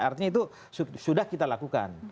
artinya itu sudah kita lakukan